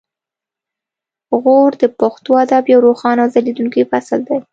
غور د پښتو ادب یو روښانه او ځلیدونکی فصل دی